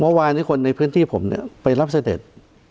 เมื่อวานคนในพื้นที่ผมเนี่ยไปรับเสด็จ